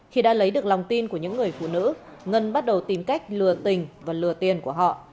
khi đã lấy được lòng tin của những người phụ nữ ngân bắt đầu tìm cách lừa tình và lừa tiền của họ